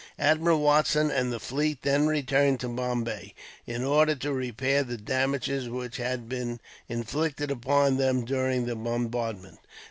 Admiral Watson and the fleet then returned to Bombay, in order to repair the damages which had been inflicted upon them during the bombardment.